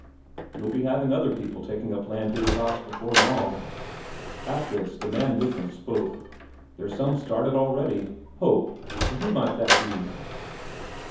"You'll be having other people taking up land hereabouts before long." At this the man with him spoke: "There's some started already." "Ho! And who might that be?"